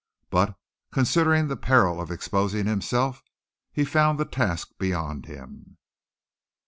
But, considering the peril of exposing himself, he found the task beyond him.